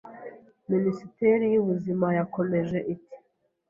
Minisiteri y’Ubuzima yakomeje iti